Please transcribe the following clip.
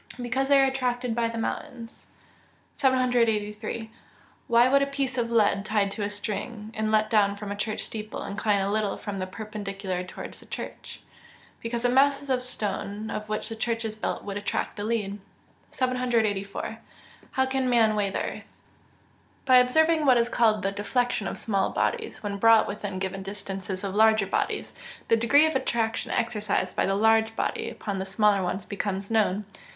_ Because they are attracted by the mountains. 783. _Why would a piece of lead tied to a string, and let down from a church steeple, incline a little from the perpendicular towards the church?_ Because the masses of stone of which the church is built would attract the lead. 784. How can man weigh the earth? By observing what is called the deflection of small bodies when brought within given distances of larger bodies, the degree of attraction exercised by the large body upon the smaller one becomes known.